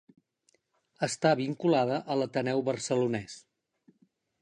Està vinculada a l'Ateneu Barcelonès.